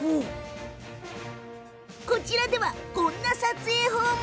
こちらではこんな撮影法も！